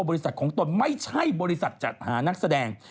บริษัทของตนไม่ใช่บริษัทจัดหานักแสดง